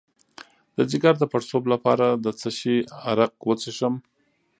د ځیګر د پړسوب لپاره د څه شي عرق وڅښم؟